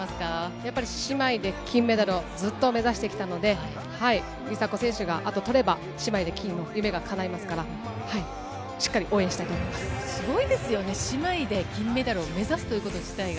やっぱり姉妹で金メダルをずっと目指してきたので、梨紗子選手があと取れば、姉妹で金、夢がかないますから、しっかすごいですよね、姉妹で金メダルを目指すということ自体が。